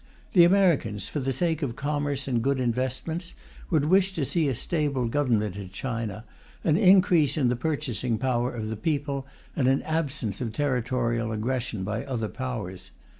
The Americans, for the sake of commerce and good investments, would wish to see a stable government in China, an increase in the purchasing power of the people, and an absence of territorial aggression by other Powers.